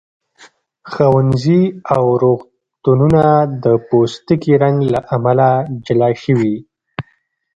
ښوونځي او روغتونونه د پوستکي رنګ له امله جلا شوي.